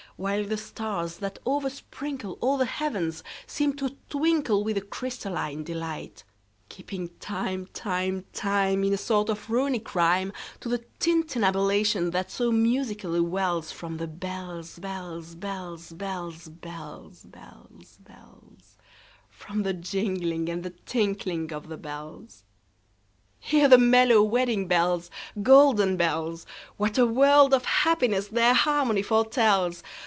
While the stars, that oversprinkleAll the heavens, seem to twinkleWith a crystalline delight; Keeping time, time, time, In a sort of Runic rhyme, To the tintinnabulation that so musically wellsFrom the bells, bells, bells, bells, Bells, bells, bells—From the jingling and the tinkling of the bells. Hear the mellow wedding bells, Golden bells! What a world of happiness their harmony foretells!